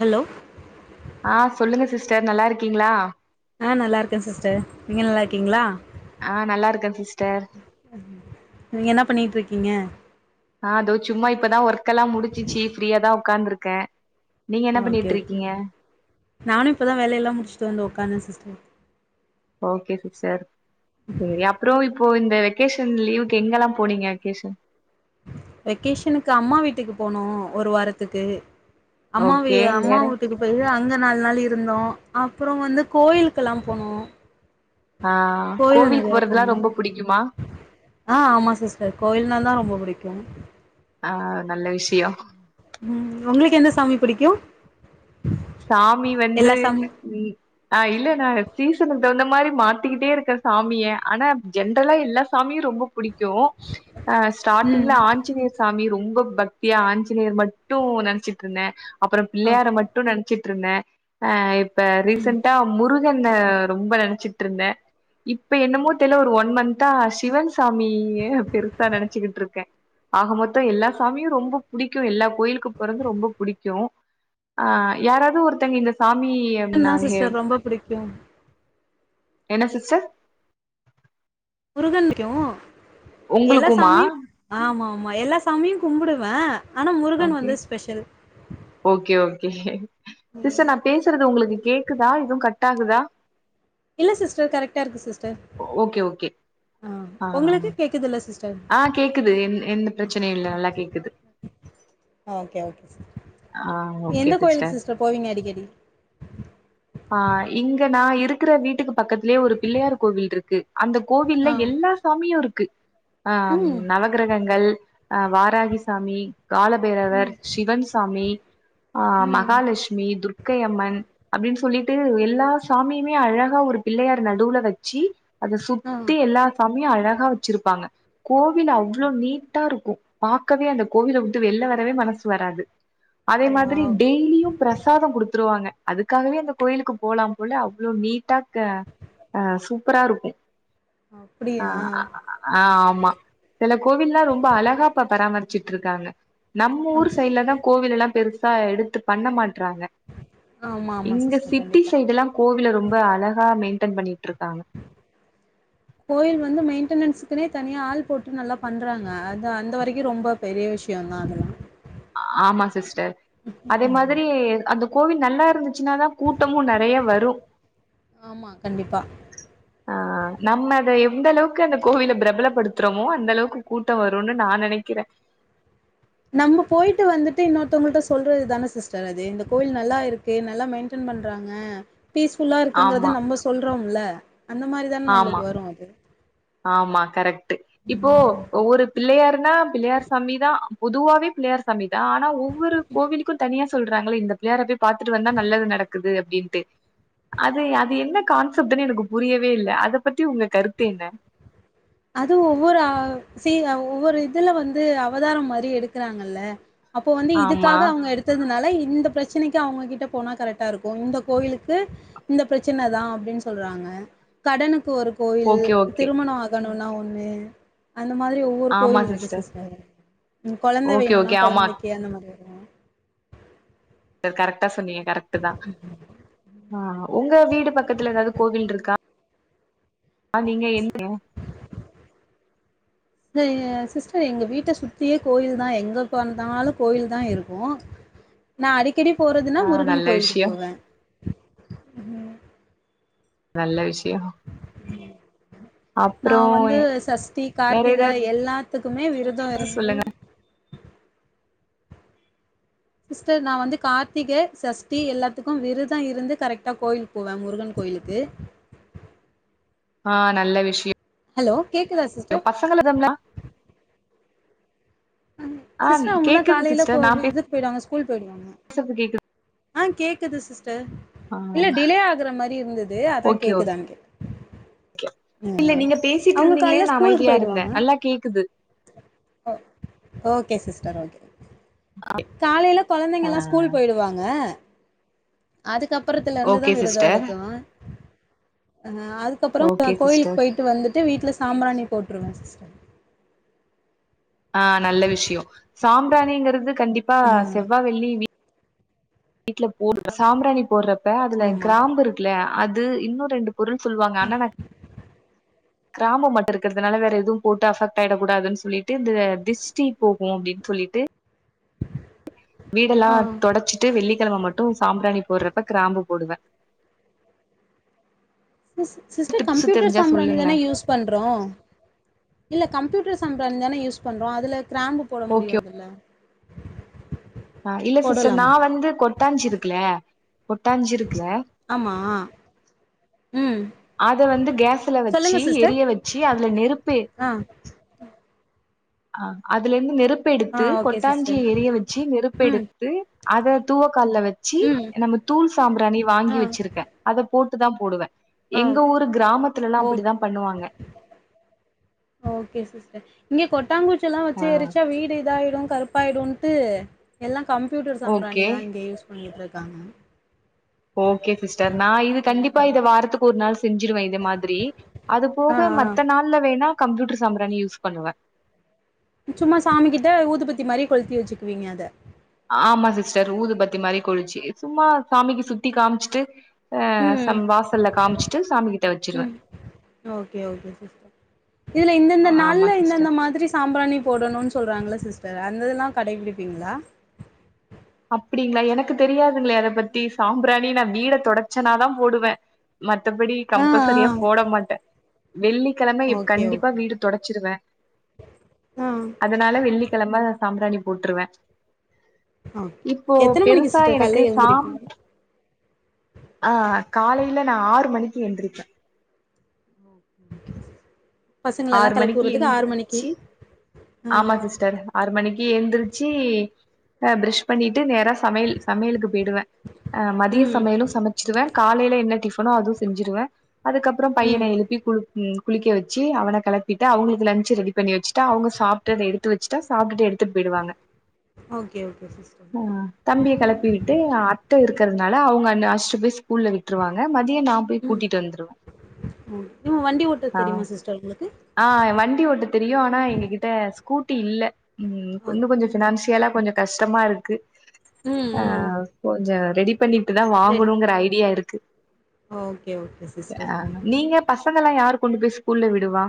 Hello ஆ சொல்லுங்க sister நல்லாருக்கீங்களா ஆ நல்லாருக்க சிஸ்டர் நீங்க நல்லாருக்கீங்களா ஆ நல்லாருக்க சிஸ்டர் நீங்க என்ன பண்ணிட்ருக்கீங்க ஆ இதோ சும்மா இப்பதா ஒர்க்கெல்லா முடிச்சிச்சி ஃப்ரீயாதா உக்காந்துருக்க அ ஓகே ஓகே நானு இப்பதா வேலயெல்லா முடிச்சுட்டு வந்து ஒக்காந்த சிஸ்டர் ஓகே சிஸ்டர் சேரி அப்ரோ இப்போ இந்த வெகேஷன் லீவுக்கு எங்கெல்லா போனீங்க வெகேஷன் வெக்கேஷனுக்கு அம்மா வீட்டுக்கு போனோ ஒரு வாரத்துக்கு அம்மாவி ஓகே வேற அம்மாவூட்டுக்கு போய் அங்க நாலு நாள் இருந்தோ அப்ரோ வந்து கோயிலுக்கெல்லா போனோ ஆ கோயில் கோவிலுக்கு நெறையா போறதெல்லா போனோ ரொம்ப புடிக்குமா ஆ ஆமா சிஸ்டர் கோயில்னாதா ரொம்ப புடிக்கு ஆ நல்ல விஷியோ ம் உங்களுக்கு எந்த சாமி புடிக்கு சாமி வந்து எல்லா சாமி வீ ஆ இல்ல நா சீசனுக்கு தகுந்த மாரி மாத்திக்கிட்டே இருக்க சாமிய ஆனா ஜென்ரலா எல்லா சாமியு ரொம்ப புடிக்கு அ ம் ஸ்டாட்டிங்ல ஆஞ்சநேய சாமி ரொம்ப பக்தியா ஆஞ்சநேயர் மட்டு நெனைச்சிட்டு இருந்த அப்பற ஓகே பிள்ளையார மட் மட்டு நெனைச்சிட் இருந்த அ இப்ப ரீசென்டா முருகன ரொம்ப நெனைச்சிட் இருந்த இப்ப என்னமோ தெரில ஒரு ஒன் மந்த்தா சிவன் சாமிய பெருசா நெனைச்சுகிட்டு இருக்க ஆக மொத்த எல்லா சாமியு ரொம்ப புடிக்கு எல்லா கோயிலுக்கு போறது ரொம்ப புடிக்கு அ யாராது ஒருத்தங்க இந்த சாமி தா நாக சிஸ்டர் ரொம்ப புடிக்கு என்ன சிஸ்டர் முருகன் புடிக்கு எல்லா உங்களுக்குமா சாமியு ஆமா மா எல்லா சாமியு கும்புடுவ ஆனா முருகன் ஓகே வந்து ஸ்பெஷல் ஓகே ஓகே ம் சிஸ்டர் நா பேசுறது உங்களுக்கு கேக்குதா எது கட் ஆகுதா இல்ல சிஸ்டர் கரெக்டா இருக்கு சிஸ்டர் ஓகே ஓகே ஆ உங்களுக்கு கேக்குதுல்ல சிஸ்டர் ஆ கேக்குது எந்த பிரச்சனையு இல்ல நல்லா கேக்குது ஆ ஓகே எந்த கோயிலுக்கு சிஸ்டர் போவீங்க அடிக்கடி ஆ இங்க நா இருக்கிற வீட்டுக்கு பக்கத்திலயே ஒரு பிள்ளையார் கோவில் இருக்கு அந்தக் கோவில்ல ஆ எல்லா சாமியு இருக்கு ஆ ம் நவகிரகங்கள் அ வாராகிசாமி ம் காலபைரவர் சிவன் சாமி ஆ ம் மகாலட்சுமி துர்க்கையம்மன் அப்படின் சொல்லிட்டு எல்லா சாமியுமே அழகா ஒரு பிள்ளையார் நடுவுல வச்சு அத ஆ சுத்தி எல்லா சாமியு அழகா வச்சிருப்பாங்க கோவில் அவ்ளோ நீட்டாருக்கு பாக்கவே அந்தக் கோவில விட்டு வெளில வரவே மனசு வராது அதே மாதிரி வாவ் டெய்லியு பிரசாதம் குடுத்துருவாங்க அதுக்காகவே அந்தக் கோயிலுக்கு போலா போல அவ்ளோ நீட்டா க அ சூப்பரா இருக்கு அ அப்டியா ஆ ஆமா சில கோவில்லா ரொம்ப அழகா பராமரிச்சுட்டு இருக்காங்க நம்ம ஊர் சைட்ல தா கோவிலல்லா பெருசா எடுத்து பண்ண மாட்றாங்க ஆமா ஆமா இங்க சிஸ்டர் சிட்டி கண்டிப்பா சைடுல்லா கோவில ரொம்ப அழகா மெயின்டென் பண்ணிட்டுருக்காங்க கோயில் வந்து மெயின்டனன்ஸுக்குனே தனியா ஆள் போட்டு நல்லா பண்றாங்க அது அந்த வரைக்கு ரொம்ப பெரிய விஷய தா அதெல்லா ஆமா சிஸ்டர் அதே மாதிரி அந்த கோவில் நல்லா இருந்துச்சுனாதா கூட்டமு நெறய வரு ஆமா கண்டிப்பா ஆ நம்ம அத எந்த அளவுக்கு அந்தக் கோவில பிரபலப்படுத்துறமோ அந்த அளவுக்கு கூட்ட வருனு நா நெனைக்கிறே நம்ம போயிட்டு வந்துட்டு இன்னொருத்தவங்கள்ட்ட சொல்றது தான சிஸ்டர் அது இந்த கோவில் நல்லா இருக் தே நல்லா மெயின்டன் பண்றாங்க பீஸ்ஃபுல்லா இருக்குங்கறத ஆமா நம்ப சொல்றோம்ல அந்த மாரி தான ஆமா நம்மளுக்கு வரு அது ஆமா கரெக்ட்டு இப்போ ஒரு பிள்ளையார்னா பிள்ளையார் சாமிதா பொதுவாவே பிள்ளையார் சாமிதா ஆனா ஒவ்வொரு கோவிலுக்கு தனியா சொல்றாங்களே இந்த பிள்ளையார போயி பாத்துட்டு வந்தா நல்லது நடக்குது அப்டின்ட்டு அது அது என்ன கான்செப்ட்டுன்னு எனக்கு புரியவே இல்ல அதப் பத்தி உங்க கருத்து என்ன அது ஒவ்வொரு அ சி ஒவ்வொரு இதுல வந்து அவதாரம் மாரி எடுக்கறாங்கல்ல அப்போ வந்து ஆமா இதுக்காக அவங்க எடுத் ததுனால இந்த பிரச்சனைக்கு அவுங்ககிட்ட போனா கரெட்டா இருக்கு இந்த கோயிலுக்கு இந்த பிரச்சன தா அப்டினு சொல்றாங்க கடனுக்கு ஒரு கோயில் ஓகே ஓகே திருமண ஆகணுன்னா ஒண்ணு அந்த மாதிரி ஒரு கோயில் இருக்கு சிஸ்டர் கொழந்தை ஓகே வேணுன்னா ஓகே ஆமா கொழந்தைக்கு அந்த மாரி வரு கரெக்ட்டா சொன்னீங்க கரெக்ட் தா ஆ உங்க வீடு பக்கத்துல ஏதாவது கோவில் இருக்கா ஆ நீங்க எங்க சிஸ்டர் எங்க வீட்ட சுத்தியே கோயில் தா எங்க பாத்தாலு கோயில் தா இருக்கு நா அடிக்கடி போறதுன்னா ஆ முருகன் நல்ல கோயிலுக்கு விஷயம் போவ நல்ல விஷயோ நா வந்து சஷ்டி வேற கார்த்திக ஏதாவது எல்லாத்துக்குமே விரத சொல்லுங்க சிஸ்டர் நா வந்து கார்த்திக சஷ்டி எல்லாத்துக்கு விரதொ இருந்து கரெக்டா கோயிலுக்கு போவ முருகன் கோயிலுக்கு ஆ நல்ல விஷயொ ஹலோ கேக்குதா சிஸ்டர் [unintelligible] ஆ கேக்குது சிஸ்டர் நா பே போயிராங்க ஸ்கூல் போயிடுவாங்க சத்த கேக்கு ஆ கேக்குது சிஸ்டர் இல்ல ஆ டிலே ஆகுற மாரி இருந்துது அதா ஓகே கேக்குதான்னு கேட் ஓகே இல்ல நீங்க பேசிட்டு அவுங்க காலைல இருந்தீங்களேன்னு நா ஸ்கூலுக்கு அமைதியா இருந்தே போயிடுவாங்க நல்லா கேக்குது ஓகே சிஸ்டர் ஓகே அ காலையில கைழந்தைங்க எல்லா ஸ்கூல் போயிடுவாங்க அதுக்கப்புறத்துல இருந்துதா ஓகே விருத சிஸ்டர் எடுக்கு அதுக்கப்பறோ ஓகே கோயிலுக்கு சிஸ்டர் போயிட்டு வந்துட்டு வீட்ல சாம்பிராணி போட்டுருவ சிஸ் ஆ நல்ல விஷயம் சாம்பிராணிங்கிறது கண்டிப்பா ஆ செவ்வா வெள்ளி வீட் வீட்ல போடு சாம்பிராணி போடுறப்ப அதுல ஆமா கிராம்பு இருக்குலைய அது இன்னு ரெண்டு பொருள் சொல்லுவாங்க ஆனா நா கிராமம் மட்டு இருக்கறதுனால வேற எதுவு போட்டு அபெக்ட் ஆயிடக்கூடாதுன்னு சொல்லிட்டு இந்த திஸ் ட்டி போகு அப்டின் சொல்லிட்டு வீடெல்லா ஆ துடச்சிட்டு வெள்ளிக்கிழம மட்டு சாம்பிராணி போடுறப்ப கிராம்பு போடுவ சிஸ்டர் டிப்ஸ் கம்ப்யூட்டர் தெரிஞ்சா சொல்லுங்களே சாம்பிராணிதான யூஸ் பண்றோ இல்ல கம்ப்யூட்டர் சாம்பிராணிதான யூஸ் பண்றோ அதுல கிரா போட ஓகே முடியாதுல ஆ இல்ல சிஸ்டர் நா வந்து கொட்டாஞ்சிருக்குல்ல கொட்டாஞ்சிருக்குல்ல ஆமா அத வந்து கேஸுல வெச்சு சொல்லுங்க சிஸ்டர் எரிய வெச்சு அதுல நெருப்பு எ ஆ ஆ அதுல இருந்து ஆ நெருப்பெடுத்து ஓகே கொட்டாஞ்சிய சிஸ்டர் எரிய வெச்சு ம் நெருப்பெடுத்து அத தூவக்கால்ல வெச்சு ம் நம்ம தூள் சாம்பிராணி ஆ வாங்கி வெச்சிருக்க அது போட்டுதா போடுவ ஆ எங்க ஊரு கிராமத்துல எல்லா ஓ அப்டித்தா பண்ணுவாங்க ஓகே சிஸ்டர் இங்க கொட்டாங்குச்சி எல்லாம் வச்சு ஆ எரிச்சா வீடு இத ஆயிடு கருப் பாயிடுன்டு எல்லா கம்ப்யூட்டர் ஓகே சாம்பிராணிதா இங்க யூஸ் பண்ணிட்டு இருக்காங்க ஓகே சிஸ்டர் நான் இது கண்டிப்பா இத வாரத்துக்கு ஒரு நாள் செஞ்சிருவே இந்த மாதிரி ஆ அதுபோக ஆ மத்த நாள்ல வேணா கம்ப்யூட்டர் சாம்பிரணி யூஸ் பண்ணுவே சும்மா சாமிகிட்ட ஊதுபத்தி மாரி கொழுத்தி வச்சுக்குவீங்க அத ஆமா சிஸ்டர் ஊதுபத்தி மாரி கொளுச்சு சும்மா சாமிக்கு சுத்தி காமிச்சிட்டு ஆ ம் சம் வாசல்ல காமிச்சிட்டு சாமி கிட்ட வச்சிருவே ம் ஓகே ஓகே சிஸ்டர் இதுல இந்தந்த ஆமா நாள்ல இந்தந்த சிஸ்டர் மாதிரி சாம்பிராணி போடணுன்னு சொல்றாங்கல்ல சிஸ்டர் அந்த இதெல்லா கடைபிடிபீங்களா அப்டிங்களா எனக்கு தெரியாதுங்களே அத பத்தி சாம்பிராணி நா வீட தொடச்சன்னாதா போடுவே மத்தபடி ஆ ஆ கம்பல்சரியா போட மாட்டே வெள்ளிக்கெழமை ஓகே கண்டிப்பா ஓகே வீடு தொடைச்சிருவே ஆ அதனால வெள்ளிக்கெழம நா சாம்பிராணி போட்டுருவே ஓகே இப்போ எத்தன மணிக்கு பெருசா சிஸ்டர் எனக்கு கால்ல சாம் எழுந்திருப்பீங்க ஆ காலைல நா ஆறு மணிக்கு எந்திரிப்பே ம் ஆறு மணிக்கு எந்திரிச்சி ஆ ஆமா சிஸ்டர் ஆறு மணிக்கு எந்திரிச்சி ஆ பிரஷ் பண்ணிட்டு நேரா சமையல் சமையலுக்கு போயிடுவே ஆ மதிய ம் சமையலு சமச் சிடுவே காலைல என்ன டிஃபனோ அதுவு செஞ்சிருவே அதுக்கப்பறோ பையன ம் எழுப்பி குளி ம் குளிக்க வச்சி அவன கெளப்பிட்டா அவங்களுக்கு லஞ்ச் ரெடி பண்ணி வச்சிட்டா அவங்க சாப்ட்டு அத எடுத்து வச்சிட்டா சாப்டுட்டு எடுத்துட்டு போயிடுவாங்க ஓகே ஓகே சிஸ்டர் ஆ தம்பிய கெளப்பி விட்டு அத்த இருக்கறதுனால அவங்க அந்த அழைச்சிட்டு போய் ஸ்கூல்ல விட்டுருவாங்க மதியோ நா போய் ம் கூட்டிட்டு வந்துருவே ஆ இவுங்க வண்டி ஓட்ட ஆ தெரியுமா சிஸ்டர் உங்களுக்கு ஆ வண்டி ஓட்ட தெரியு ஆனா எங்ககிட்ட ஸ்கூட்டி இல்ல ம் இன்னு ஓகே கொஞ்சோ பினான்சியலா கொஞ்சோ கஷ்டமா இருக்கு ம் ஆ ம் கொஞ்ச ரெடி பண்ணிட்டு தா ரெடி வாங்கணுங்கிற ஐடியா இருக்கு ஓகே ஓகே சிஸ்டர் ஆ நீங்க பசங்கள யாரு கொண்டு போயி ஸ்கூல்ல விடுவா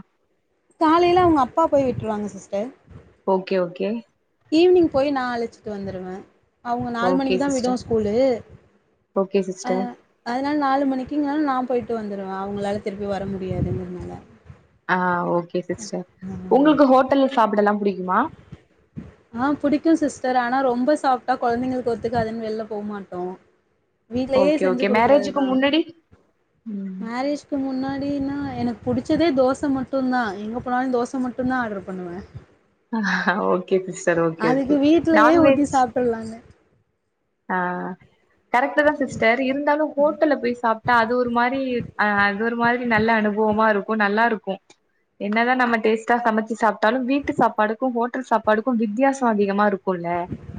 காலேல அவங்க அப்பா போயி விட்டுருவாங்க சிஸ்டர் ஓகே ஓகே ஈவினிங் போயி நா அழைச்சிட்டு வந்துருவே அவுங்க நாலு ஓகே மணிக்குதா விடு சிஸ்டர் ஸ்கூலு ஓகே அ சிஸ்டர் அதனால நாலு மணிக்குங்னால நா போயி்ட்டு வந்துருவே அவங்களால திரிப்பி வர முடியாதுங்கிறதுனால ஆ ஓகே சிஸ்டர் ம். உங்களுக்கு ஹோட்டல்ல சாப்டலா பிடிக்குமா ஆ புடிக்கு சிஸ்டர் ஆனா ரொம்ப சாப்டா கொழந்தைங்களுக்கு ஒத்துக்காதுன்னு வெளில போமாட்டோ வீட்லயே ஓகே செஞ்சி ஓகே குடுக்குறது மேரேஜுக்கு தா முன்னாடி ம் மேரேஜ் கு முன்னாடின்னா எனக்கு புடிச்சதே தோச மட்டுந்தா எங்க போனாலு தோச மட்டுந்தா ஆடர் பண்ணுவே okay sister okay okay non veg ஃபுல்லாமே ஆ கரெக்ட்டுதா சிஸ்டர் அது இருந்தாலு ஹோட்டல்ல போயி சாப்ட்டா அது ஒரு மாரி அது ஒரு மாரி நல்ல அனுபவமா இருக் கு நல்லா இருக்கு என்னதா நம்ம டேஸ்டா சமைச்சு சாப்ட்டாலு வீட்டு சாப்பாடுக்கு ஹோட்டல் சாப்பாடுக்கு வித்தியாசோ அதிகமா இருக்குல்ல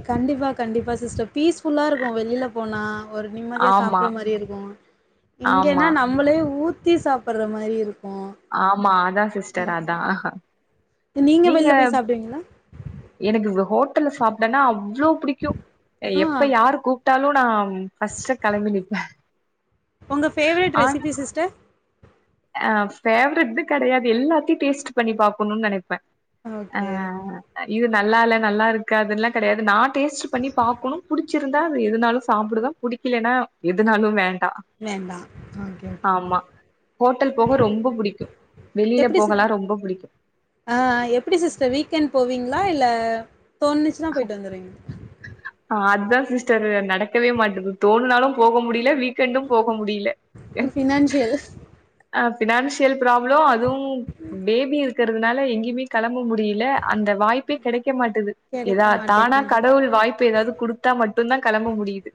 கண்டிப்பா கண்டிப்பா சிஸ்டர் பீஸ் ஃபுல்லா இருக்கு வெளில போனா ஒரு நிம்மதியா ஆமா சாப்டுற மாரி இருக்கு ஆமா இங்கன்னா நம் நம்மளே ஊத்தி சாப்பற மாரி இருக்கு ஆமா அதா சிஸ்டர் அதா நீங்க வெளில போயி சாப்டுவீங்ளா எனக்கு ஹோட்டல்ல சாப்டனா அவ்ளோ புடிக்கு ஆ எப்ப யாரு கூப்ட்டாலு நா ஃபர்ஸ்ட்டா கெளம்பி நிப்ப உங்க ஃபேவரட் ஆன் ரெசிபி சிஸ்டர் ஆ ஃபேவரிட்டுனு கெடையாது எல்லாத்தையு டேஸ்ட் பண்ணி பாக்கனு நெனைப்ப அ ஓகே இது நல்லால்ல நல்லா இருக்காதல்லா கெடையாது நா டேஸ்ட் பண்ணி பாக்கணு புடிச்சிருந்தா அது எதுனாலு சாப்டுவ புடி இல்லனா எதுனாலு வேண்டா வேண்டா ஓகே ஓகே ஆமா ஹோட்டல் போக ரொம்ப புடிக்கு வெளில எப்டி சி போகல்லா ரொம்ப புடிக்கு ஆ எப்டி சிஸ்டர் வீக்கெண்ட் போவீங்ளா இல்ல தோணுச்சுனா போயிட்டு வந்துருவீ ஆ அதா சிஸ்டர் நடக்கவே மாட்டது தோணுனாலு போக முடில வீ கண்டும் போக முடில ஃபினான்சியல் அ ஃபினான்சியல் ப்ராப்ளம் அதுவு பேபி இரு க்கறதுனால எங்கேயுமே கெளம்ப முடில அந்த வாய்ப்பே கெடைக்க மாட் எதா கெடைக்க தானா மாட்டேங்குது கடவுள் வாய்ப்பு எதாது குடுத்தா மட்டுந்தா கெளம்ப முடிது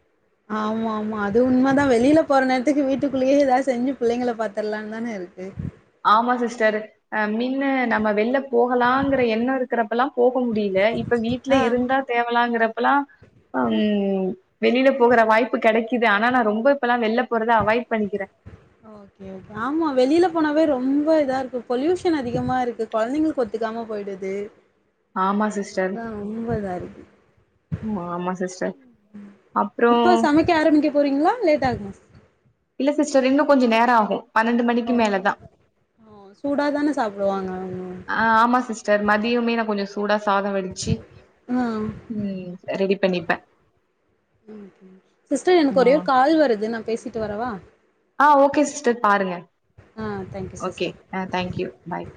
ஆமாமா அது உண்மதா வெளில போற நேரத்துக்கு வீட்டுக்குள்ளயே எதாது செஞ்சு புள்ளைங்கள பாத்தர்லானுதான இருக்கு ஆமா சிஸ்டர் அ மின்னு நம்ம வெள்ல போகலாங்கிற எண்ணோ இருக்கறப்பல்லா போக முடில இப்ப வீட்ல ஆ இருந்தா தேவலாங்கிறப்பல்லா ஹம் வெளில போகற வாய்ப்பு கெடை க்கிது ஆனா நா ரொம்ப இப்பல்லா வெளில போறத அவாய்ட் பண்ணிக்கிற ஓகே ஆமா வெளில போனாவே ரொம்ப இதா இருக்கு பொல்யூஷன் அதிகமா இருக்கு கொழந்தைங்களுக்கு ஒத்துக்காம போயிடுது ஆமா சிஸ்டர் அதா ரொம்ப இதா இருக்கு ம் ஆமா சிஸ்டர் அப்றோ இப்ப சமைக்க ஆரம்பிக்க போறீங்ளா லேட் ஆகுமா இல்ல சிஸ்டர் இன்னு கொஞ்சோ நேரோ ஆகு பன்னெண்டு ஓ மணிக்கு மேலதா ஓ சூடாதான சாப்டுவாங்க அவுங்க ஆ ஆமா சிஸ்டர் மதியமே நா கொஞ்சோ சூடா சாதோ வடிச்சு ஆ ம் ரெடி பண்ணிப்ப சிஸ்டர் எனக்கு ஆ ஒரே ஒரு கால் வருது நா பேசிட்டு வரவா ஆ ஓகே சிஸ்டர் பாருங்க ஆ thank you okay sister thank you bye